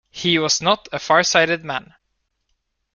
He was not a far-sighted man.